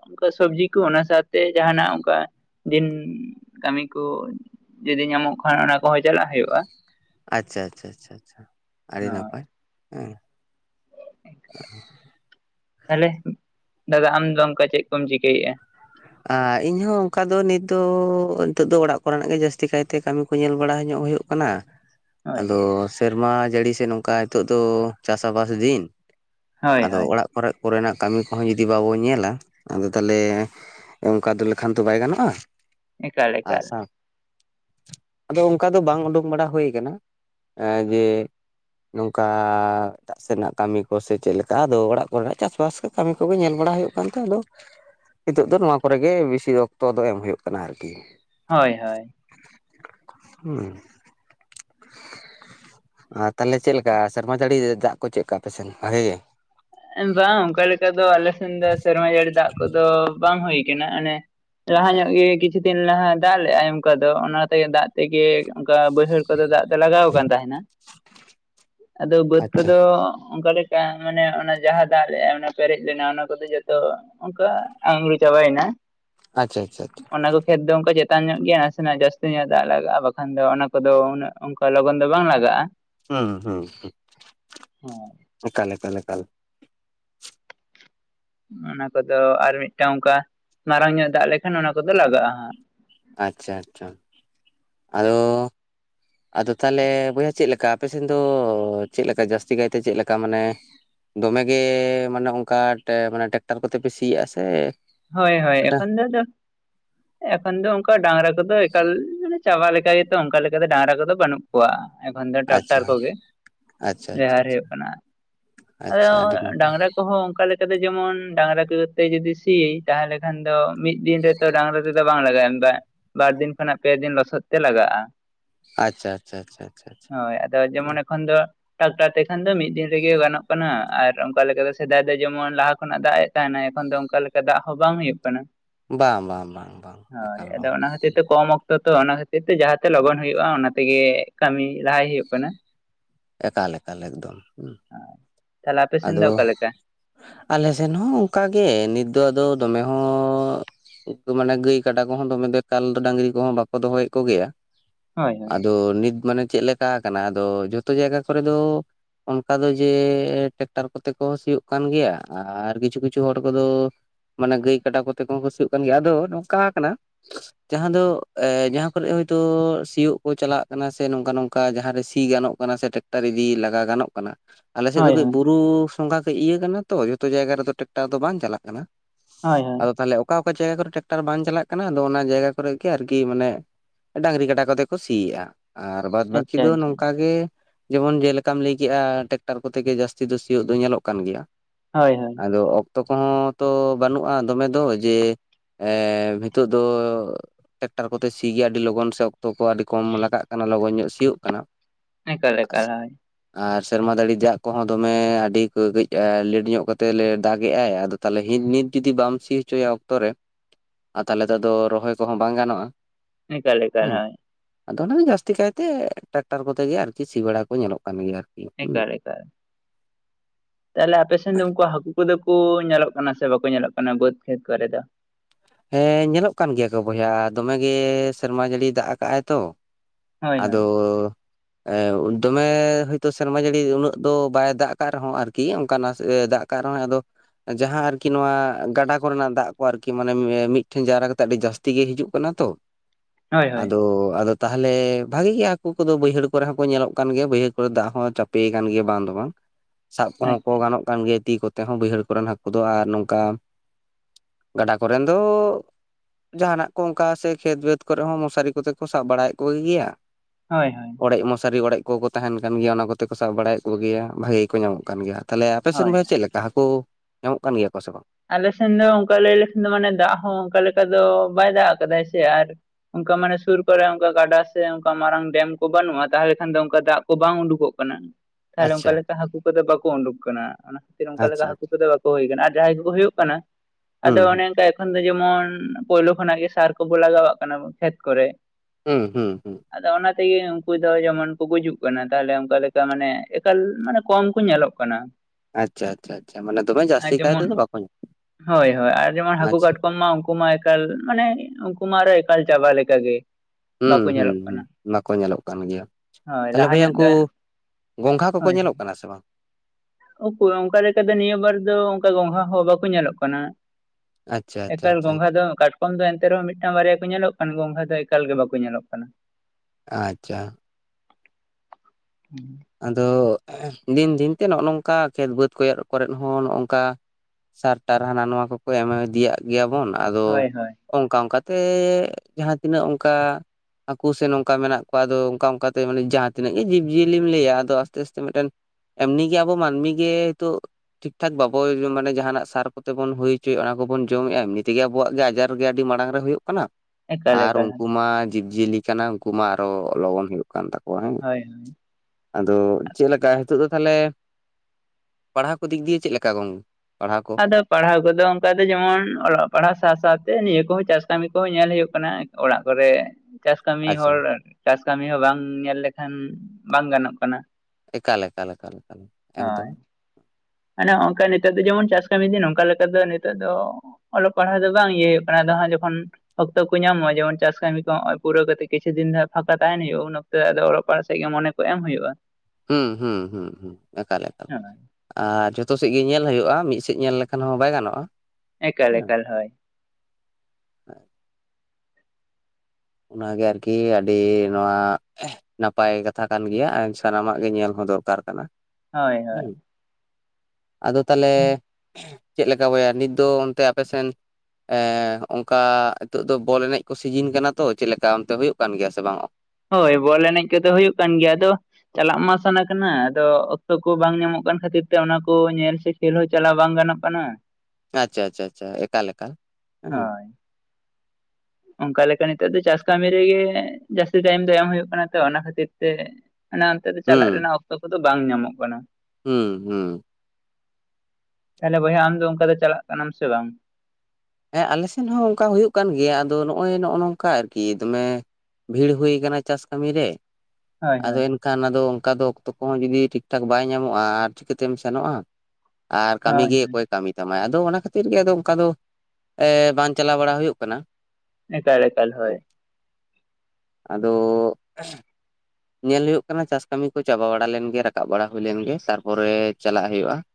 ᱚᱝᱠᱟ ᱥᱚᱵᱡᱤ ᱠᱚ ᱚᱱᱟ ᱥᱟᱶᱛᱮ ᱡᱟᱦᱟᱸᱱᱟᱜ ᱚᱱᱠᱟ ᱫᱤᱱ ᱠᱟᱹᱢᱤ ᱠᱚ ᱡᱩᱫᱤ ᱧᱟᱢᱚᱜ ᱠᱷᱟᱱ ᱚᱱᱟ ᱠᱚᱦᱚᱸ ᱪᱟᱞᱟᱜ ᱦᱩᱭᱩᱜᱼᱟ ᱾ ᱟᱪᱪᱷᱟ ᱟᱪᱪᱷᱟ ᱪᱟᱷ ᱪᱷᱟ ᱟᱹᱰᱤ ᱦᱳᱭ ᱱᱟᱯᱟᱭ ᱦᱮᱸ ᱾ ᱛᱟᱦᱚᱞᱮ ᱫᱟᱫᱟ ᱟᱢ ᱫᱚ ᱚᱝᱠᱟ ᱪᱮᱫ ᱠᱚᱢ ᱪᱤᱠᱟᱹᱭᱮᱫᱼᱟ? ᱟᱨ ᱤᱧᱦᱚᱸ ᱚᱱᱠᱟ ᱫᱚ ᱱᱤᱛ ᱫᱚ ᱱᱤᱛᱚᱜ ᱫᱚ ᱚᱲᱟᱜ ᱠᱚᱨᱮᱱᱟᱜ ᱜᱮ ᱡᱟᱹᱥᱛᱤ ᱠᱟᱭᱛᱮ ᱠᱟᱹᱢᱤ ᱠᱚ ᱧᱮᱞ ᱵᱟᱲᱟ ᱧᱚᱜ ᱦᱩᱭᱩᱜ ᱚᱱᱟ ᱦᱳᱭ ᱟᱫᱚ ᱥᱮᱨᱢᱟ ᱡᱟᱹᱲᱤ ᱥᱮ ᱱᱚᱝᱠᱟ ᱱᱤᱛᱚᱜ ᱫᱚ ᱪᱟᱥ ᱟᱵᱟᱥ ᱫᱤᱱ, ᱦᱳᱭ ᱟᱫᱚ ᱦᱳᱭ ᱚᱲᱟᱜ ᱠᱚᱨᱮ ᱠᱚᱨᱮᱱᱟᱜ ᱠᱟᱹᱢᱤ ᱠᱚᱦᱚᱸ ᱡᱩᱫᱤ ᱵᱟᱵᱚᱱ ᱧᱮᱞᱟ ᱟᱫᱚ ᱛᱟᱦᱚᱞᱮ ᱚᱱᱠᱟ ᱫᱟᱹᱲ ᱞᱮᱠᱷᱟᱱ ᱛᱚ ᱵᱟᱭ ᱜᱟᱱᱚᱜᱼᱟ, ᱮᱠᱟᱞ ᱮᱠᱟᱞ [unintelligible] ᱟᱫᱚ ᱚᱝᱠᱟ ᱫᱚ ᱵᱟᱝ ᱩᱰᱩᱝ ᱵᱟᱲᱟ ᱦᱩᱭᱩᱠ ᱠᱟᱱᱟ ᱮ ᱡᱮ ᱱᱚᱝᱠᱟ ᱮᱴᱟᱜ ᱥᱮᱱᱟᱜ ᱠᱟᱹᱢᱤ ᱠᱚ ᱥᱮ ᱪᱮᱫᱞᱮᱠᱟ ᱟᱫᱚ ᱚᱲᱟᱜ ᱠᱚᱨᱮᱱᱟᱜ ᱪᱟᱥ-ᱵᱟᱥ ᱜᱮ ᱠᱟᱹᱢᱤ ᱠᱚᱜᱮ ᱧᱮᱞ ᱵᱟᱲᱟ ᱦᱩᱭᱩᱜ ᱠᱟᱱᱛᱮ ᱟᱫᱚ ᱱᱤᱛᱚᱜ ᱫᱚ ᱱᱚᱣᱟ ᱠᱚᱨᱮ ᱜᱮ ᱵᱤᱥᱤ ᱚᱠᱛᱚ ᱫᱚ ᱮᱢ ᱦᱩᱭᱩᱜ ᱠᱟᱱᱟ ᱟᱨᱠᱤ ᱾ ᱦᱳᱭ ᱦᱳᱭ᱾ ᱦᱩᱸ᱾ ᱟᱨ ᱛᱟᱦᱞᱮ ᱪᱮᱫ ᱞᱮᱠᱟ ᱥᱮᱨᱢᱟ ᱡᱟᱹᱲᱤ ᱫᱟᱜ ᱠᱚ ᱪᱮᱫᱠᱟ ᱟᱯᱮ ᱥᱮᱱ ᱵᱷᱟᱜᱮ ᱜᱮ? ᱵᱟᱝ ᱚᱱᱠᱟ ᱞᱮᱠᱟ ᱫᱚ ᱟᱞᱮ ᱥᱮᱱ ᱫᱚ ᱥᱮᱨᱢᱟ ᱡᱟᱹᱲᱤ ᱫᱟᱜ ᱠᱚᱫᱚ ᱵᱟᱝ ᱦᱩᱭ ᱠᱟᱱᱟ ᱚᱱᱮ ᱞᱟᱦᱟ ᱧᱚᱜ ᱜᱮ ᱠᱤᱪᱷᱩ ᱫᱤᱱ ᱞᱟᱦᱟ ᱫᱟᱜ ᱞᱮᱜᱼᱟᱭ ᱚᱱᱟᱠᱟ ᱫᱚ ᱚᱱᱟ ᱛᱮᱜᱮ ᱫᱟᱜ ᱛᱮᱜᱮ ᱚᱱᱠᱟ ᱵᱟᱹᱭᱦᱟᱲ ᱠᱚᱫᱚ ᱫᱟᱜ ᱫᱚ ᱞᱟᱜᱟᱣ ᱠᱟᱱ ᱛᱟᱦᱮᱸᱱᱟ ᱟᱫᱚ ᱵᱟᱹᱫᱽ ᱟᱪᱪᱷᱟ ᱠᱚᱫᱚ ᱚᱱᱠᱟ ᱞᱮ ᱠᱟ ᱢᱟᱱᱮ ᱚᱱᱮ ᱡᱟᱦᱟᱸ ᱫᱟᱜ ᱞᱮᱜᱼᱟᱭ ᱚᱱᱟ ᱯᱮᱨᱮᱡ ᱞᱮᱱᱟ ᱚᱱᱟ ᱠᱚᱫᱚ ᱡᱷᱚᱛᱚ ᱚᱱᱠᱟ ᱟᱝᱲᱩ ᱪᱟᱵᱟᱭᱮᱱᱟ, ᱟᱪᱷᱟ ᱟᱪᱷᱟ ᱪᱷᱟ᱾ ᱚᱱᱟ ᱠᱚ ᱠᱷᱮᱛ ᱫᱚ ᱚᱱᱠᱟ ᱪᱮᱛᱟᱱ ᱧᱚᱜ ᱜᱮᱭᱟ ᱱᱟᱥᱮᱱᱟᱜ ᱡᱟᱹᱥᱛᱤ ᱧᱚᱜ ᱫᱟᱜ ᱞᱟᱜᱟᱜᱼᱟ ᱵᱟᱠᱷᱟᱱ ᱫᱚ ᱚᱱᱟ ᱠᱚᱫᱚ ᱩᱱᱟᱹᱜ ᱞᱚᱜᱚᱱ ᱫᱚ ᱵᱟᱝ ᱞᱟᱜᱟᱜᱼᱟ, ᱦᱩᱸ ᱦᱩᱸ ᱦᱩᱸ ᱮᱠᱟᱞ ᱮᱠᱟᱞ ᱮᱠᱟᱞ ᱾ ᱚᱱᱟ ᱠᱚᱫᱚ ᱟᱨ ᱢᱤᱫᱴᱟᱝ ᱚᱝᱠᱟ ᱢᱟᱨᱟᱝ ᱧᱚᱜ ᱫᱟᱜ ᱞᱮᱠᱷᱟᱱ ᱚᱱᱟ ᱠᱚᱫᱚ ᱞᱟᱜᱟᱜᱼᱟ ᱦᱟᱸᱜ ᱾ ᱟᱪᱪᱷᱟ ᱟᱪᱪᱷᱟ᱾ ᱟᱫᱚ ᱟᱫᱚ ᱛᱟᱞᱮ ᱵᱚᱭᱦᱟ ᱪᱮᱜ ᱞᱮᱠᱟ ᱟᱯᱮ ᱥᱮᱱ ᱫᱚ ᱪᱮᱜ ᱞᱮᱠᱟ ᱡᱟᱹᱥᱛᱤ ᱠᱟᱭᱛᱮ ᱪᱮᱜ ᱞᱮᱠᱟ ᱢᱟᱱᱮ ᱫᱚᱢᱮᱜᱮ ᱢᱟᱱᱮ ᱚᱝᱠᱟ ᱴᱮ ᱢᱟᱱᱮ ᱴᱮᱠᱴᱟᱨ ᱠᱚᱛᱮ ᱯᱮ ᱥᱤᱼᱟᱥᱮ ᱦᱳᱭ ᱦᱳᱭ ᱮᱠᱷᱚᱱ ᱫᱚ, ᱮᱠᱷᱚᱱ ᱫᱚ ᱚᱝᱠᱟ ᱰᱟᱝᱨᱟ ᱠᱚᱫᱚ ᱮᱠᱟᱞ ᱪᱟᱵᱟ ᱞᱮᱠᱟ ᱜᱮᱛᱚ ᱚᱱᱠᱟ ᱞᱮᱠᱟᱫᱚ ᱰᱟᱝᱨᱟ ᱠᱚᱫᱚ ᱵᱟᱹᱱᱩᱜ ᱠᱚᱣᱟ ᱮᱠᱷᱚᱱ ᱫᱚ ᱴᱮᱠᱴᱟᱨ ᱟᱪᱪᱷᱟ ᱠᱚᱜᱮ ᱾ ᱟᱪᱪᱷᱟ ᱵᱮᱦᱟᱨ ᱦᱳᱭᱳᱜ ᱟᱪᱪᱷᱟ ᱠᱟᱱᱟ ᱟᱫᱚ ᱟᱪᱪᱷᱟ ᱟᱹᱰᱤ ᱱᱟᱯᱟᱭ ᱰᱟᱝᱨᱟ ᱠᱚᱦᱚᱸ ᱚᱱᱠᱟ ᱞᱮᱠ ᱛᱮᱫᱚ ᱡᱮᱢᱚᱱ ᱰᱟᱝᱨᱟ ᱠᱚ ᱠᱚᱛᱮ ᱡᱩᱫᱤ ᱥᱤᱭᱤ ᱛᱟᱦᱟᱞᱮ ᱠᱷᱟᱱ ᱫᱚ ᱢᱤᱫ ᱫᱤᱱ ᱨᱮᱛᱚ ᱰᱟᱝᱨᱟ ᱛᱮᱫᱚ ᱵᱟᱝ ᱞᱟᱜᱟᱜ [unintelligible] ᱵᱟᱨ ᱫᱤᱱ ᱠᱷᱚᱱᱟᱜ ᱯᱮ ᱫᱤᱱ ᱞᱚᱥᱚᱫ ᱛᱮ ᱞᱟᱜᱟᱜᱼᱟ ᱟᱪᱪᱷᱟ ᱟᱪᱪᱷᱟ ᱟᱪᱪᱷᱟ ᱟᱪᱪᱷᱟ ᱾ ᱦᱳᱭ ᱟᱫᱚ ᱟᱪᱪᱷᱟ᱾ ᱡᱮᱢᱚᱱ ᱮᱠᱷᱚᱱ ᱫᱚ, ᱴᱟᱠᱴᱟᱨ ᱛᱮᱠᱷᱟᱱ ᱫᱚ ᱢᱤᱜᱫᱤᱱ ᱨᱮᱜᱮ ᱜᱟᱱᱚᱜ ᱠᱟᱱᱟ ᱟᱨ ᱚᱝᱠᱟ ᱞᱮᱠᱟ ᱫᱚ ᱥᱮᱫᱟᱭ ᱫᱚ ᱡᱮᱢᱚᱱ ᱞᱟᱦᱟ ᱠᱷᱚᱱᱟᱜ ᱫᱟᱜ ᱮᱜ ᱛᱟᱦᱮᱱᱟ ᱮᱠᱷᱚᱱ ᱫᱚ ᱚᱝᱠᱟ ᱞᱮᱠᱟ ᱫᱟᱜ ᱦᱚᱸ ᱵᱟᱝ ᱦᱩᱭᱩᱜ ᱠᱟᱱᱟ ᱾ ᱵᱟᱝ ᱵᱟᱝ ᱵᱟᱝ ᱵᱟᱝ ᱮᱠᱟᱞ ᱵᱚᱢ ᱾ ᱛᱚ ᱛᱚ ᱚᱱᱟ ᱠᱷᱟᱹᱛᱤᱨ ᱛᱮ ᱡᱟᱦᱟᱸᱛᱮ ᱞᱚᱜᱚᱱ ᱦᱩᱭᱩᱜᱼᱟ ᱚᱱᱟ ᱛᱮᱜᱮ ᱠᱟᱹᱢᱤ ᱞᱟᱦᱟᱭ ᱦᱩᱭᱩᱜ ᱠᱟᱱᱟ ᱾ ᱮᱠᱟᱞ ᱮᱞᱟᱞ ᱮᱠᱫᱚᱢ ᱦᱩᱸ᱾ ᱛᱷᱟᱞᱮ ᱟᱯᱮ ᱥᱮᱱ ᱫᱚ ᱚᱠᱟ ᱞᱮᱠᱟ? ᱟᱞᱮᱥᱮᱱ ᱦᱚᱸ ᱚᱝᱠᱟᱜᱮ ᱱᱤᱛ ᱫᱚ ᱟᱫᱚ ᱫᱚᱢᱮ ᱦᱚᱸ ᱢᱟᱱᱮ ᱜᱟᱹᱭ ᱠᱟᱰᱟ ᱠᱚᱦᱚᱸ ᱫᱚᱢᱮ ᱫᱚ ᱠᱟᱞ ᱰᱟᱹᱝᱨᱤ ᱠᱚᱦᱚᱸ ᱵᱟᱠᱚ ᱫᱚᱦᱚᱭᱮᱜ ᱠᱚᱜᱮᱭᱟ ᱾ ᱦᱳᱭ ᱦᱳᱭ ᱟᱫᱚ ᱱᱤᱛ ᱢᱟᱱᱮ ᱪᱮᱜᱞᱮᱠ ᱠᱟ ᱠᱟᱱᱟ ᱟᱫᱚ ᱡᱷᱚᱛᱚ ᱡᱟᱭᱜᱟ ᱠᱚᱨᱮ ᱫᱚ ᱚᱱᱠᱟ ᱫᱚ ᱡᱮ ᱴᱮᱠ ᱴᱟᱨ ᱠᱚᱛᱮ ᱠᱚ ᱥᱤᱭᱳᱜ ᱠᱟᱱ ᱜᱮᱭᱟ ᱟᱨ ᱠᱤᱪᱷᱩ ᱠᱤᱪᱷᱩ ᱦᱚᱲ ᱠᱚᱫᱚ ᱢᱟᱱᱮ ᱜᱟᱹᱭ ᱠᱟᱴᱟ ᱠᱚᱛᱮ ᱠᱚ ᱦᱚᱸ ᱠᱩᱥᱤᱭᱟᱜ ᱠᱟᱱ ᱜᱮᱭᱟ ᱾ ᱟᱫᱚ ᱱᱚᱝᱠᱟ ᱠᱟᱱᱟ ᱡᱟᱦᱟᱸ ᱫᱚ ᱮᱸ ᱡᱟᱦᱟᱸ ᱠᱚᱨᱮ ᱦᱳᱭᱛᱳ ᱥᱤᱭᱳᱜ ᱠᱚ ᱪᱟᱞᱟᱜ ᱠᱟᱱᱟ ᱥᱮ ᱱᱚᱝᱠᱟ ᱱᱚᱝᱠᱟ ᱡᱟᱸᱦᱟ ᱨᱮ ᱥᱤ ᱜᱟᱱᱚᱜ ᱠᱟᱱᱟ ᱥᱮ ᱴᱮᱠ ᱴᱟᱨ ᱤᱫᱤ ᱞᱟᱜᱟ ᱜᱟᱱᱚᱜ ᱠᱟᱱᱟ ᱾ ᱟᱞᱮᱥᱮᱫ ᱫᱚ ᱦᱳᱭ ᱠᱟᱹᱡ ᱦᱳᱭ ᱵᱩᱨᱩ ᱥᱚᱸᱜᱷᱟ ᱠᱟᱹᱡ ᱤᱭᱟᱹ ᱠᱟᱱᱟ ᱛᱚ ᱡᱷᱚᱛᱚ ᱡᱟᱭᱜᱟ ᱨᱮᱫᱚ ᱴᱮᱠᱴᱟᱨ ᱫᱚ ᱵᱟᱝ ᱪᱟᱞᱟᱜ ᱠᱟᱱᱟ ᱾ ᱦᱳᱭ [inaudible] ᱦᱳᱭ ᱟᱫᱚ ᱛᱟᱦᱞᱮ ᱚᱠᱟ ᱚᱠᱟ ᱡᱟᱭᱜᱟ ᱠᱚᱨᱮ ᱴᱨᱟᱠᱴᱟᱨ ᱵᱟᱝ ᱪᱟᱞᱟᱜ ᱠᱟᱱᱟ ᱟᱫᱚ ᱚᱱᱟ ᱡᱟᱭᱜᱟ ᱠᱚᱨᱮ ᱜᱮ ᱟᱨᱠᱤ ᱢᱟᱱᱮ ᱰᱟᱝᱨᱤ ᱠᱟᱰᱟ ᱠᱚᱛᱮ ᱠᱚ ᱥᱤᱭᱮᱜᱼᱟ ᱾ ᱟᱨ ᱵᱟᱫᱽ ᱵᱟᱹᱠᱤ ᱟᱪᱪᱷᱟ ᱫᱚ ᱟᱪᱪᱷᱟ ᱱᱚᱝᱠᱟ ᱜᱮ ᱡᱮᱢᱚᱱ ᱡᱮᱞᱮᱠᱟᱢ ᱞᱮᱭ ᱠᱮᱜᱮᱜᱼᱟ ᱴᱨᱟᱠᱴᱟᱨ ᱠᱚᱛᱮ ᱜᱮ ᱡᱟᱹᱥ ᱥᱤ ᱫᱚ ᱥᱤᱭᱳᱜ ᱫᱚ ᱧᱮᱞᱚᱜ ᱠᱟᱱ ᱜᱮᱭᱟ ᱾ ᱦᱳᱭ ᱦᱳᱭ ᱾ ᱟᱫᱚ ᱚᱠᱛᱚ ᱠᱚᱦᱚᱸ ᱛᱚ ᱵᱟᱹᱱᱩᱜᱼᱟ ᱫᱚᱢᱮ ᱫᱚ ᱡᱮ, [inaudible] ᱵᱷᱤᱛᱚᱜ ᱫᱚ ᱴᱮᱠᱴᱟᱨ ᱠᱚᱛᱮ ᱥᱤ ᱜᱮ ᱟᱹᱰᱤ ᱞᱚᱜᱚᱱ ᱥᱮ ᱚᱠᱛᱚ ᱠᱚ ᱟᱹᱰᱤ ᱠᱚᱢ ᱞᱟᱜᱟᱜ ᱠᱟᱱᱟ ᱞᱚᱜᱚᱱ ᱧᱚᱜ ᱥᱤᱭᱳᱜ ᱠᱟᱱᱟ ᱾ ᱮᱠᱟᱞ ᱮᱠᱟᱞ ᱦᱳᱭ ᱾ ᱟᱨ ᱥᱮᱨᱢᱟ ᱫᱟᱲᱤ ᱡᱟᱜ ᱠᱚᱦᱚᱸ ᱾ ᱫᱚᱢᱮ ᱟᱹᱰᱤ ᱠᱟᱹ ᱠᱟᱹᱡ ᱮ ᱞᱮᱴ ᱧᱚᱜ ᱠᱟᱛᱮᱫ ᱞᱮ ᱫᱟᱜᱮᱟᱭ ᱟᱫᱚ ᱛᱟᱞᱮ ᱦᱤᱱ ᱱᱤᱛ ᱱᱤᱛ ᱡᱩᱫᱤ ᱵᱟᱢ ᱥᱤ ᱦᱚᱪᱚᱭᱟ ᱚᱠᱛᱚ ᱨᱮ ᱟᱨ ᱛᱷᱟᱞᱮ ᱛᱟᱫᱚ ᱨᱚᱦᱚᱭ ᱠᱚᱦᱚᱸ ᱵᱟᱝ ᱜᱟᱱᱚᱜᱼᱟ ᱾ ᱮᱠᱟᱞ ᱮᱠᱟᱞ ᱦᱳᱭ ᱾ ᱟᱫᱚ ᱱᱟ ᱡᱟᱹᱥᱛᱤ ᱠᱟᱭᱛᱮ ᱴᱨᱟᱠᱴᱟᱨ ᱠᱚᱛᱮ ᱜᱮ ᱟᱨᱠᱤ ᱥᱤ ᱵᱟᱲᱟ ᱠᱚ ᱧᱮᱞᱚᱜ ᱠᱟᱱ ᱜᱮᱭᱟ ᱟᱨ ᱾ ᱮᱠᱟᱞ ᱮᱠᱟᱞ ᱾ ᱛᱟᱞᱮ ᱟᱯᱮᱥᱮᱱ ᱫᱚ ᱩᱱᱠᱩ ᱦᱟᱹᱠᱩ ᱠᱚᱫᱚ ᱠᱚ ᱧᱮᱞᱚᱜ ᱠᱟᱱᱟ ᱥᱮ ᱵᱟᱠᱚ ᱧᱮᱞᱚᱜ ᱠᱟᱱᱟ ᱵᱟᱹᱫᱽ ᱠᱷᱮᱛ ᱠᱚᱨᱮ ᱫᱚ? ᱦᱮᱸ ᱧᱮᱞᱚᱜ ᱠᱟᱱ ᱜᱮᱭᱟ ᱠᱚ ᱵᱚᱭᱦᱟ ᱫᱚᱢᱮᱜ ᱜᱮ ᱥᱮᱨᱢᱟ ᱡᱟᱹᱲᱤᱭ ᱫᱟᱜ ᱠᱟᱜᱼ ᱟᱭ ᱛᱚ ᱾ ᱦᱳᱭ ᱟᱫᱚ ᱦᱳᱭ [inaudible] ᱫᱚᱢᱮ ᱦᱳᱭᱛᱚ ᱥᱮᱨᱢᱟ ᱡᱟᱹᱲᱤ ᱩᱱᱟᱹᱜ ᱫᱚ ᱵᱟᱭ ᱫᱟᱜ ᱠᱟᱜ ᱨᱮᱦᱚᱸ ᱟᱨᱠᱤ ᱚᱱᱠᱟ ᱱᱟᱥ [inaudible] ᱫᱟᱜ ᱾ ᱠᱟᱜ ᱨᱮᱦᱚᱭ ᱟᱫᱚ ᱡᱟᱦᱟᱸ ᱟᱨᱠᱤ ᱱᱚᱣᱟ ᱜᱟᱰᱟ ᱠᱚᱨᱮᱱᱟᱜ ᱫᱟᱜ ᱠᱚ ᱟᱨᱠᱤ ᱢᱟᱱᱮ ᱮ ᱢᱤᱫᱴᱷᱮᱱ ᱡᱟᱣᱨᱟ ᱠᱟᱛᱮᱜ ᱟᱹᱰᱤ ᱡᱟᱹᱥᱛᱤ ᱜᱮ ᱦᱤᱡᱩᱜ ᱠᱟᱱᱟ ᱛᱚ ᱦᱳᱭ ᱦᱳᱭ ᱟᱫᱚ ᱟᱫᱚ ᱛᱟᱦᱚᱞᱮ ᱵᱷᱟᱜᱮ ᱜᱮᱭᱟ ᱦᱟᱹᱠᱩ ᱠᱚᱫᱚ ᱵᱟᱹᱭᱦᱟᱹᱲ ᱠᱚᱨᱮ ᱦᱚᱸᱠᱚ ᱧᱮᱞᱚᱜ ᱠᱟᱱ ᱜᱮᱭᱟ ᱵᱟᱹᱭᱦᱟᱹᱲ ᱠᱚᱨᱮ ᱫᱟᱜᱽ ᱦᱚᱸ ᱪᱟᱯᱮ ᱠᱟᱱ ᱜᱮᱭᱟ ᱵᱟᱝ ᱫᱚ ᱵᱟᱝ᱾ [inaudible] ᱥᱟᱵ ᱠᱚᱦᱚᱸ ᱠᱚ ᱟᱪᱪᱷᱟ ᱜᱟᱱᱚᱜ ᱠᱟᱱ ᱜᱮᱭᱟ ᱛᱤ ᱠᱚᱛᱮ ᱦᱚᱸ ᱵᱟᱹᱭᱦᱟᱹᱲ ᱠᱚᱨᱮᱱ ᱦᱟᱹᱠᱩ ᱫᱚ ᱟᱨ ᱱᱚᱝᱠᱟ ᱜᱟᱰᱟ ᱠᱚᱨᱮᱱ ᱫᱚ ᱡᱟᱦᱟᱸᱱᱟᱜ ᱠᱚ ᱚᱝᱠᱟ ᱥᱮ ᱠᱷᱮᱛ ᱵᱟᱹᱫᱽ ᱠᱚᱨᱮ ᱦᱚᱸ ᱢᱚᱥᱟᱨᱤ ᱠᱚᱛᱮ ᱠᱚ ᱥᱟᱵ ᱵᱟᱲᱟᱭᱮᱜ ᱠᱚ ᱜᱮᱭᱟ᱾ ᱦᱳᱭ ᱦᱳᱭ᱾ ᱚᱲᱮᱜ ᱢᱚᱥᱟᱨᱤ ᱚᱲᱮᱜ ᱠᱚ ᱠᱚ ᱛᱟᱦᱮᱸᱱ ᱠᱟᱱ ᱜᱮᱭᱟ ᱚᱱᱟ ᱠᱚᱛᱮ ᱠᱚ ᱥᱟᱵ ᱵᱟᱲᱟᱭᱮᱜ ᱠᱚᱜᱮᱭᱟ ᱵᱷᱟᱜᱮ ᱜᱮᱠᱚ ᱧᱟᱢᱚᱜ ᱠᱟᱱ ᱜᱮᱭᱟ᱾ ᱛᱟᱦᱚᱞᱮ ᱟᱯᱮᱥᱮᱱ ᱦᱳᱭ ᱫᱚ ᱥᱮᱜ ᱞᱮᱠᱟ ᱦᱟᱹᱠᱩ ᱧᱟᱢᱚᱜ ᱠᱟᱱ ᱜᱮᱭᱟ ᱠᱚ ᱥᱮ ᱵᱟᱝ? ᱟᱞᱮᱥᱮᱱ ᱫᱚ ᱚᱝᱠᱟ ᱞᱟᱹᱭ ᱞᱮᱠᱷᱟᱱ ᱫᱚ ᱢᱟᱱᱮ ᱫᱟᱜᱽ ᱦᱚᱸ ᱚᱝᱠᱟ ᱞᱮᱠᱟ ᱫᱚ ᱵᱟᱭ ᱫᱟᱜᱽ ᱠᱟᱫᱟᱭ ᱥᱮ ᱟᱨ ᱚᱱᱠᱟ ᱢᱟᱱᱮ ᱥᱩᱨ ᱠᱚᱨᱮ ᱚᱝᱠᱟ ᱜᱟᱰᱟ ᱥᱮ ᱚᱝᱠᱟ ᱢᱟᱨᱟᱝ ᱰᱮᱢ ᱠᱚ ᱵᱟᱹᱱᱩᱜᱼᱟ᱾ ᱛᱟᱦᱚᱞᱮ ᱠᱷᱟᱱ ᱫᱚ ᱚᱝᱠᱟ ᱫᱟᱜᱽ ᱠᱚ ᱵᱟᱝ ᱩᱰᱩᱠᱚᱜ ᱠᱟᱱᱟ᱾ ᱛᱟᱦᱚᱞᱮ ᱟᱪᱪᱷᱟ ᱚᱱᱠᱟ ᱞᱮᱠᱟ ᱦᱟᱹᱠᱩ ᱠᱚᱫᱚ ᱵᱟᱠᱚ ᱩᱰᱩᱠ ᱠᱟᱱᱟ᱾ ᱚᱱᱟ ᱠᱷᱟᱹᱛᱤᱨ ᱚᱱᱠᱟ ᱞᱮᱠᱟ ᱟᱪᱪᱷᱟ ᱦᱟᱹᱠᱩ ᱟᱪᱪᱷᱟ ᱠᱚᱫᱚ ᱵᱟᱠᱚ ᱦᱩᱭ ᱠᱟᱱᱟ ᱟᱨ ᱡᱟᱦᱟᱸᱭ ᱠᱚ ᱠᱩ ᱦᱩᱭᱩᱜ ᱠᱟᱱᱟ ᱦᱩᱸ ᱟᱫᱚ ᱚᱱᱮ ᱦᱩᱸ ᱚᱝᱠᱟ ᱮᱠᱷᱚᱱ ᱫᱚ ᱡᱮᱢᱚᱱ ᱯᱳᱭᱞᱳ ᱠᱷᱚᱱᱟᱜ ᱜᱮ ᱥᱟᱨ ᱠᱚᱵᱚ ᱞᱟᱜᱟᱣᱟᱜ ᱠᱟᱱᱟ ᱵᱚᱱ ᱠᱷᱮᱛ ᱠᱚᱨᱮ᱾ ᱦᱩᱸ ᱦᱩᱸ ᱦᱩᱸ᱾ ᱟᱫᱚ ᱚᱱᱟ ᱛᱮᱜᱮ ᱩᱱᱠᱩ ᱫᱚ ᱡᱮᱢᱚᱱ ᱠᱚ ᱜᱩᱡᱩᱜ ᱠᱟᱱᱟ᱾ᱛᱟᱦᱚᱞᱮ ᱚᱱᱠᱟ ᱞᱮᱠᱟ ᱢᱟᱱᱮ ᱮᱠᱟᱞ ᱢᱟᱱᱮ ᱠᱚᱢ ᱠᱚ ᱧᱮᱞᱚᱜ ᱠᱟᱱᱟ᱾ ᱟᱪᱪᱷᱟ ᱟᱪᱪᱷᱟ ᱟᱪᱪᱷᱟ ᱢᱟᱱᱮ ᱫᱚᱢᱮ ᱟᱨ ᱡᱟᱹᱥᱛᱤ ᱠᱟᱭ ᱡᱮᱢᱚᱱ ᱛᱮᱫᱚ ᱵᱟᱠᱚ ᱧᱟᱢᱚ ᱦᱳᱭ ᱦᱳᱭ ᱟᱨ ᱡᱮᱢᱚᱱ ᱦᱟᱹᱠᱩ ᱠᱟᱴᱠᱚᱢ ᱮᱠᱷᱚᱱ ᱢᱟ ᱩᱱᱠᱩᱢᱟ ᱮᱠᱟᱞ ᱢᱟᱱᱮ ᱩᱱᱠᱩᱢᱟ ᱟᱨ ᱮᱠᱟᱞ ᱪᱟᱵᱟ ᱞᱮᱠᱟ ᱜᱮ᱾ ᱦᱩᱸ ᱵᱟᱠᱚ ᱦᱩᱸ ᱧᱮᱞᱚᱜ ᱦᱩᱸ ᱠᱟᱱᱟ ᱚᱱᱟᱠᱚ ᱧᱮᱞᱚᱜ ᱠᱟᱱ ᱜᱮᱭᱟ᱾ ᱦᱳᱭ ᱛᱟᱦᱚᱞᱮ ᱞᱟᱦᱟ ᱵᱚᱭᱦᱟ ᱧᱚᱜ ᱩᱱᱠᱩ ᱫᱚ ᱜᱚᱝᱜᱷᱟ ᱠᱚᱠᱚ ᱧᱮᱞᱚᱜ ᱠᱟᱱᱟ ᱥᱮ ᱵᱟᱝ? ᱚᱠᱚᱨ ᱚᱝᱠᱟ ᱞᱮᱠᱟ ᱫᱚ ᱱᱤᱭᱟᱹ ᱵᱟᱨ ᱫᱚ ᱚᱝᱠᱟ ᱜᱚᱝᱜᱷᱟ ᱦᱚᱸ ᱵᱟᱠᱚ ᱧᱮᱞᱚᱜ ᱠᱟᱱᱟ᱾ ᱟᱪᱪᱷᱟ ᱟᱪᱪᱷᱟ ᱮᱠᱟᱞ ᱟᱪᱪᱷᱟ ᱜᱚᱝᱜᱷᱟ ᱟᱪᱪᱷᱟ ᱫᱚ ᱠᱟᱴ ᱠᱚᱢ ᱫᱚ ᱮᱱᱛᱮ ᱨᱮᱦᱚᱸ ᱢᱤᱜᱴᱟᱝ ᱵᱟᱨᱭᱟ ᱠᱚ ᱧᱮᱞᱚᱜ ᱠᱟᱱ ᱜᱚᱝᱜᱷᱟ ᱫᱚ ᱮᱠᱟᱞ ᱜᱮ ᱵᱟᱠᱚ ᱧᱮᱞᱚᱜ ᱠᱟᱱᱟ᱾ ᱟᱪᱪᱷᱟ᱾ ᱦᱩᱸ, ᱟᱫᱚ ᱫᱤᱱ ᱫᱤᱱᱛᱮ ᱱᱚᱜᱼᱚ ᱱᱚᱝᱠᱟ ᱠᱷᱮᱛ ᱵᱟᱹᱫᱽ ᱠᱚᱭ ᱠᱚᱨᱮᱫ ᱦᱚᱸ ᱱᱚᱜᱼᱚᱝᱠᱟ ᱥᱟᱨᱼᱴᱟᱨ ᱦᱟᱱᱟ ᱱᱚᱣᱟ ᱠᱚᱠᱚ ᱮᱢ ᱤᱫᱤᱭᱟᱜ ᱜᱮᱭᱟ ᱵᱚᱱ ᱟᱫᱚ, ᱦᱳᱭ ᱦᱳᱭ ᱚᱝᱠᱟ ᱚᱝᱠᱟᱛᱮ ᱡᱟᱦᱟᱸ ᱛᱤᱱᱟᱹᱜ ᱚᱝᱠᱟ ᱦᱟᱹᱠᱩ ᱥᱮ ᱱᱚᱝᱠᱟ ᱢᱮᱱᱟᱜ ᱠᱚᱣᱟ ᱟᱫᱚ ᱚᱝᱠᱟ ᱚᱝᱠᱟᱛᱮ ᱢᱟᱱᱮ ᱡᱟᱦᱟᱸ ᱛᱤᱱᱟᱹᱜ ᱜᱮ ᱡᱤᱵᱽᱼᱡᱤᱭᱟᱹᱞᱤ ᱞᱟᱹᱭᱟ ᱟᱫᱚ ᱟᱥᱛᱮ ᱟᱥᱛᱮ ᱢᱤᱫᱴᱮᱱ ᱮᱢᱱᱤ ᱜᱮ ᱟᱵᱚ ᱢᱟᱹᱱᱢᱤ ᱜᱮ ᱦᱚᱭᱛᱳ ᱴᱷᱤᱠᱼ ᱴᱷᱟᱠ ᱵᱟᱵᱚ ᱢᱟᱱᱮ ᱡᱟᱦᱟᱸᱱᱟᱜ ᱥᱟᱨ ᱠᱚᱛᱮ ᱵᱚᱱ ᱦᱩᱭ ᱦᱚᱪᱚᱭᱮᱜ ᱚᱱᱟ ᱠᱚᱵᱚᱱ ᱡᱚᱢᱮᱜᱼᱟ ᱮᱢᱱᱤ ᱛᱮᱜᱮ ᱟᱵᱚᱣᱟᱜ ᱜᱮ ᱟᱡᱟᱨ ᱨᱮᱜᱮ ᱟᱹᱰᱤ ᱢᱟᱲᱟᱝ ᱨᱮ ᱦᱩᱭᱩᱜ ᱠᱟᱱᱟ᱾ ᱮᱠᱟᱞ ᱟᱨ ᱮᱠᱟᱞ ᱩᱱᱠᱩ ᱢᱟ ᱡᱤᱵᱽᱼᱡᱤᱭᱟᱹᱞᱤ ᱠᱟᱱᱟ ᱩᱱᱠᱩ ᱢᱟ ᱟᱨᱚ ᱞᱚᱜᱚᱱ ᱦᱩᱭᱩᱜ ᱠᱟᱱ ᱛᱟᱠᱚᱣᱟ ᱦᱮᱸ᱾ ᱦᱚᱭ ᱦᱚᱭ᱾ ᱟᱫᱚ ᱪᱮᱜ ᱞᱮᱠᱟ ᱦᱤᱛᱳᱜ ᱫᱚ ᱛᱟᱦᱚᱞᱮ ᱯᱟᱲᱦᱟᱣ ᱠᱚ ᱫᱤᱠ ᱫᱤᱭᱮ ᱪᱮᱜ ᱞᱮᱠᱟ ᱜᱚᱝ ᱯᱟᱲᱦᱟᱣ ᱠᱚ? ᱟᱫᱚ ᱯᱟᱲᱦᱟᱣ ᱠᱚᱫᱚ ᱚᱱᱠᱟ ᱫᱚ ᱡᱮᱢᱚᱱ ᱚᱞᱚᱜ ᱯᱟᱲᱦᱟᱣ ᱥᱟᱶᱼᱥᱟᱶᱛᱮ ᱱᱤᱭᱟᱹ ᱠᱚᱦᱚᱸ ᱪᱟᱥ ᱠᱟᱹᱢᱤ ᱠᱚᱦᱚᱸ ᱧᱮᱞ ᱦᱩᱭᱩᱜ ᱠᱟᱱᱟ᱾ ᱚᱲᱟᱜ ᱠᱚᱨᱮ ᱪᱟᱥ ᱠᱟᱹᱢᱤ ᱟᱪᱪᱷᱟ ᱦᱚᱲ ᱪᱟᱥ ᱠᱟᱹᱢᱤ ᱦᱚᱸ ᱵᱟᱝ ᱧᱮᱞ ᱞᱮᱠᱷᱟᱱ ᱵᱟᱝ ᱜᱟᱱᱚᱜ ᱠᱟᱱᱟ᱾ ᱮᱠᱟᱞ ᱮᱠᱟᱞ ᱮᱠᱟᱞ ᱮᱠᱟᱞ ᱮᱠᱫᱚᱢ᱾ ᱟᱱᱮ ᱚᱝᱠᱟ ᱱᱤᱛᱚᱜ ᱫᱚ ᱡᱮᱢᱚᱱ ᱪᱟᱥ ᱠᱟᱹᱢᱤ ᱫᱤᱱ ᱱᱚᱱᱠᱟ ᱞᱮᱠᱟ ᱫᱚ ᱱᱤᱛᱚᱜ ᱫᱚ ᱚᱞᱚᱜ ᱯᱟᱲᱦᱟᱜ ᱫᱚ ᱵᱟᱝ ᱤᱭᱟᱹ ᱦᱩᱭᱩᱜ ᱠᱟᱱᱟ ᱟᱫᱚ ᱦᱟᱸᱜ ᱡᱚᱠᱷᱚᱱ ᱚᱠᱛᱚ ᱠᱚ ᱧᱟᱢᱚᱜᱼᱟ ᱡᱮᱢᱚᱱ ᱪᱟᱥ ᱠᱟᱹᱢᱤ ᱠᱚᱜ ᱦᱚᱸᱜᱼᱚᱭ ᱯᱩᱨᱟᱹ ᱠᱟᱛᱮᱜ ᱠᱤᱪᱷᱩ ᱫᱤᱱ ᱡᱟᱦᱟᱸ ᱯᱷᱟᱠᱟ ᱛᱟᱦᱮᱸᱱ ᱦᱩᱭᱩᱜᱼᱟ᱾ᱩᱱ ᱚᱠ ᱛᱮ ᱟᱫᱚ ᱚᱞᱚᱜ ᱯᱟᱲᱦᱟᱜ ᱥᱮᱫ ᱜᱮ ᱢᱚᱱᱮ ᱠᱚ ᱮᱢ ᱦᱩᱭᱩᱜᱼᱟ ᱾ ᱦᱩᱸ ᱦᱩᱸ ᱦᱩᱸ ᱦᱩᱸ ᱮᱠᱟᱞ ᱮᱠᱟᱞ ᱦᱳᱭ ᱾ ᱟᱨ ᱡᱚᱛᱚ ᱥᱮᱫ ᱜᱮ ᱧᱮᱞ ᱦᱩᱭᱩᱜᱼᱟ, ᱢᱤᱫ ᱥᱮᱫ ᱧᱮᱞ ᱞᱮᱠᱷᱟᱱ ᱦᱚᱸ ᱵᱟᱭ ᱜᱟᱱᱚᱜᱼᱟ ᱾ ᱮᱠᱟᱞ ᱮᱠᱟᱞ ᱦᱳᱭ ᱾ [unintelligible] ᱚᱱᱟ ᱜᱮ ᱟᱨᱠᱤ ᱟᱹᱰᱤ ᱱᱚᱣᱟ [unintelligible] ᱱᱟᱯᱟᱭ ᱠᱟᱛᱷᱟ ᱠᱟᱱ ᱜᱮᱭᱟ ᱟᱨ ᱥᱟᱱᱟᱢᱟᱜ ᱜᱮ ᱧᱮᱞ ᱦᱚᱸ ᱫᱚᱨᱠᱟᱨ ᱠᱟᱱᱟ ᱾ ᱦᱳᱭ ᱦᱳᱭ ᱾ ᱟᱫᱚ ᱛᱟᱦᱚᱞᱮ ᱪᱮᱫ ᱞᱮᱠᱟ ᱵᱚᱭᱦᱟ ᱱᱤᱛ ᱫᱚ ᱚᱱᱛᱮ ᱟᱯᱮ ᱥᱮᱱ ᱮᱸ ᱚᱱᱠᱟ ᱱᱤᱛᱳᱜ ᱫᱚ ᱵᱚᱞ ᱮᱱᱮᱡ ᱠᱚ ᱥᱤᱡᱤᱱ ᱠᱟᱱᱟ ᱛᱚ ᱪᱮᱫ ᱞᱮᱠᱟ ᱚᱱᱛᱮ ᱦᱩᱭᱩᱜ ᱠᱟᱱ ᱜᱮᱭᱟ ᱥᱮ ᱵᱟᱝᱟ? ᱦᱳᱭ ᱵᱚᱞ ᱮᱱᱮᱡ ᱠᱚᱫᱚ ᱦᱩᱭᱩᱜ ᱠᱟᱱ ᱜᱮᱭᱟ, ᱟᱫᱚ ᱪᱟᱞᱟᱜ ᱢᱟ ᱥᱟᱱᱟ ᱠᱟᱱᱟ, ᱟᱫᱚ ᱚᱠᱛᱚ ᱠᱚ ᱵᱟᱝ ᱧᱟᱢᱚᱜ ᱠᱟᱱ ᱠᱷᱟᱹᱛᱤᱨ ᱛᱮ ᱚᱱᱟ ᱠᱚ ᱧᱮᱞ ᱥᱮ ᱠᱷᱮᱞ ᱦᱚᱸ ᱪᱟᱞᱟᱣ ᱵᱟᱝ ᱜᱟᱱᱚᱜ ᱠᱟᱱᱟ ᱾ ᱟᱪᱪᱷᱟ ᱟᱪᱪᱷᱟ ᱟᱪᱪᱷᱟ ᱮᱠᱟᱞ ᱮᱠᱟᱞ ᱦᱮᱸ ᱾ ᱦᱳᱭ ᱚᱱᱠᱟ ᱞᱮᱠᱟ ᱱᱤᱛᱚᱜ ᱫᱚ ᱪᱟᱥ ᱠᱟᱹᱢᱤ ᱨᱮᱜᱮ ᱡᱟᱹᱥᱛᱤ ᱴᱟᱭᱤᱢ ᱫᱚ ᱮᱢ ᱦᱩᱭᱩᱜ ᱠᱟᱱᱟ ᱛᱚ ᱚᱱᱟ ᱠᱷᱟᱹᱛᱤᱨ ᱛᱮ ᱢᱟᱱᱮ ᱚᱱᱛᱮ ᱫᱚ ᱪᱟᱞᱟᱜ ᱨᱮᱱᱟᱜ ᱚᱠᱛᱚ ᱠᱚᱫᱚ ᱵᱟᱝ ᱧᱟᱢᱚᱜ ᱠᱟᱱᱟ ᱾ ᱦᱩᱸ ᱦᱩᱸ ᱾ ᱛᱟᱦᱚᱞᱮ ᱵᱚᱭᱦᱟ ᱟᱢ ᱫᱚ ᱚᱱᱠᱟ ᱫᱚ ᱪᱟᱞᱟᱜ ᱠᱟᱱᱟᱢ ᱥᱮ ᱵᱟᱝ? ᱦᱮᱸ ᱟᱞᱮ ᱥᱮᱱ ᱦᱚᱸ ᱚᱱᱠᱟ ᱦᱩᱭᱩᱜ ᱠᱟᱱ ᱜᱮᱭᱟ, ᱟᱫᱚ ᱱᱚᱜᱼᱚᱭ ᱱᱚᱜᱼᱚ ᱱᱚᱝᱠᱟ ᱟᱨᱠᱤ ᱫᱚᱢᱮ ᱵᱷᱤᱲ ᱦᱩᱭ ᱠᱟᱱᱟ ᱪᱟᱥ ᱠᱟᱹᱢᱤ ᱨᱮ, ᱦᱳᱭ ᱟᱫᱚ ᱦᱳᱭ ᱮᱱ ᱠᱷᱟᱱ ᱟᱫᱚ ᱚᱱᱠᱟ ᱫᱚ ᱚᱠᱛᱚ ᱠᱚᱦᱚᱸ ᱡᱩᱫᱤ ᱴᱷᱤᱠ ᱴᱷᱟᱠ ᱵᱟᱭ ᱧᱟᱢᱚᱜᱼᱟ ᱟᱨ ᱪᱤᱠᱟᱹ ᱛᱮᱢ ᱥᱮᱱᱚᱜᱼᱟ ᱾ ᱟᱨ ᱠᱟᱹᱢᱤ ᱦᱳᱭ ᱜᱮ ᱦᱳᱭ ᱚᱠᱚᱭ ᱠᱟᱹᱢᱤ ᱛᱟᱢᱟᱭ ᱟᱫᱚ ᱚᱱᱟ ᱠᱷᱟᱹᱛᱤᱨ ᱜᱮ ᱟᱫᱚ ᱚᱱᱠᱟ ᱫᱚ ᱮᱸ ᱵᱟᱝ ᱪᱟᱞᱟᱣ ᱵᱟᱲᱟ ᱦᱩᱭᱩᱜ ᱠᱟᱱᱟ ᱾ ᱮᱠᱟᱞ ᱮᱠᱟᱞ ᱦᱳᱭ ᱾ ᱟᱫᱚ ᱧᱮᱞ ᱦᱩᱭᱩᱜ ᱠᱟᱱᱟ ᱪᱟᱥ ᱠᱟᱢᱤ ᱠᱚ ᱪᱟᱵᱟ ᱵᱟᱲᱟ ᱞᱮᱱᱜᱮ ᱨᱟᱠᱟᱵ ᱵᱟᱲᱟ ᱦᱩᱭ ᱞᱮᱱᱜᱮ ᱛᱟᱨᱯᱚᱨᱮ ᱪᱟᱞᱟᱜ ᱦᱩᱭᱩᱜᱼᱟ ᱾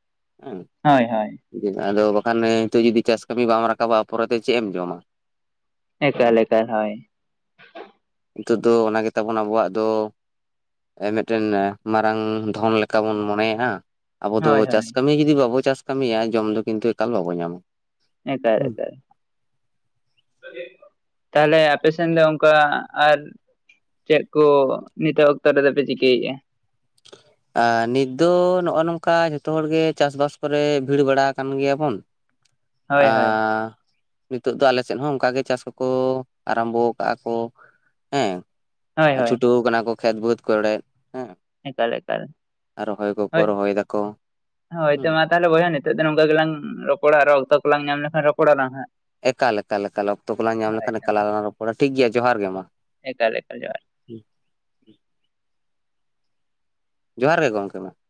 ᱮᱸᱜ [unintelligible] ᱦᱳᱭ ᱦᱳᱭ ᱾ [unintelligible] ᱟᱫᱚ ᱵᱟᱠᱷᱟᱱ ᱦᱤᱛᱚᱜ ᱡᱩᱫᱤ ᱪᱟᱥ ᱠᱟᱹᱢᱤ ᱵᱟᱢ ᱨᱟᱠᱟᱵᱟ ᱯᱚᱨᱮᱛᱮ ᱪᱮᱫ ᱮᱢ ᱡᱚᱢᱟ? ᱮᱠᱟᱞ ᱮᱠᱟᱞ ᱦᱳᱭ ᱾ ᱱᱤᱛᱚᱜ ᱫᱚ ᱚᱱᱟ ᱜᱮᱛᱟ ᱵᱚᱱ ᱟᱵᱚᱣᱟᱜ ᱫᱚ ᱮᱭ ᱢᱮᱜᱴᱮᱱ ᱢᱟᱨᱟᱝ ᱫᱷᱚᱱ ᱞᱮᱠᱟ ᱵᱚᱱ ᱢᱚᱱᱮᱭᱟᱜᱼᱟ ᱟᱵᱚ ᱫᱚ ᱦᱳᱭ ᱪᱟᱥ ᱦᱳᱭ ᱠᱟᱹᱢᱤ ᱡᱩᱫᱤ ᱵᱟᱵᱚ ᱪᱟᱥ ᱠᱟᱹᱢᱤᱭᱟ ᱡᱚᱢ ᱫᱚ ᱠᱤᱱᱛᱩ ᱮᱠᱟᱞ ᱵᱟᱵᱚᱱ ᱧᱟᱢᱟ ᱾ ᱮᱠᱟᱞ ᱮᱠᱟᱞ ᱾ ᱛᱟᱦᱚᱞᱮ ᱟᱯᱮ ᱥᱮᱱ ᱫᱚ ᱚᱱᱠᱟ ᱟᱨ ᱪᱮᱫ ᱠᱚ ᱱᱤᱛᱚᱜ ᱚᱠᱛᱚ ᱨᱮᱫᱚ ᱯᱮ ᱪᱤᱠᱟᱹᱭᱮᱫᱼᱟ? ᱟᱨ ᱱᱤᱛ ᱫᱚ ᱱᱚᱜᱼᱚᱭ ᱱᱚᱝᱠᱟ ᱡᱷᱚᱛᱚ ᱦᱚᱲ ᱜᱮ ᱪᱟᱥᱵᱟᱥ ᱠᱚᱨᱮ ᱵᱷᱤᱲ ᱵᱟᱲᱟ ᱟᱠᱟᱱ ᱜᱮᱭᱟ ᱵᱚᱱ ᱾ [unintelligible] ᱦᱳᱭ ᱟᱸᱻ ᱱᱤᱛᱚᱜ ᱫᱚ ᱟᱞᱮ ᱥᱮᱫ ᱦᱚᱸ ᱚᱱᱠᱟ ᱜᱮ ᱪᱟᱥ ᱠᱚᱠᱚ ᱟᱨᱟᱢᱵᱚ ᱟᱠᱟᱜᱼᱟ ᱠᱚ ᱦᱮᱸ ᱾ ᱦᱳᱭ ᱟᱨ ᱦᱳᱭ ᱪᱷᱩᱴᱟᱹᱣ ᱠᱟᱱᱟ ᱠᱚ ᱠᱷᱮᱛ ᱵᱟᱹᱫᱽ ᱠᱚᱨᱮᱫ ᱦᱮᱸ ᱾ ᱮᱠᱟᱞ ᱮᱠᱟᱞ ᱾ ᱟᱨ ᱨᱚᱦᱚᱭ ᱠᱚᱠᱚ ᱨᱚᱦᱚᱭ ᱫᱟᱠᱚ, ᱦᱳᱭ ᱦᱩᱸ ᱛᱚ ᱾ ᱢᱟ ᱛᱟᱦᱚᱞᱮ ᱵᱚᱭᱦᱟ ᱱᱤᱛᱚᱜ ᱫᱚ ᱱᱚᱝᱠᱟ ᱜᱮᱞᱟᱝ ᱨᱚᱯᱚᱲᱟ ᱟᱨᱚ ᱚᱠᱛᱚ ᱠᱚᱞᱟᱝ ᱧᱟᱢ ᱞᱮᱠᱷᱟᱱ ᱨᱚᱯᱚᱲᱟᱞᱟᱝ ᱦᱟᱸᱜ ᱾ ᱮᱠᱟᱞ ᱮᱠᱟᱞ ᱮᱠᱟᱞ ᱚᱠᱛᱚ ᱠᱚᱞᱟᱝ ᱧᱟᱢ ᱞᱮᱠᱷᱟᱱ ᱮᱠᱟᱞ ᱟᱞᱟᱝ ᱞᱟᱝ ᱨᱚᱯᱚᱲᱟ ᱴᱷᱤᱠ ᱜᱮᱭᱟ ᱡᱚᱦᱟᱨ ᱜᱮ ᱢᱟ ᱾ ᱮᱠᱟᱞ ᱮᱠᱟᱞ ᱡᱚᱦᱟᱨ ᱾ ᱡᱚᱦᱟᱨ ᱜᱮ ᱜᱚᱢᱠᱮ ᱢᱟ ᱾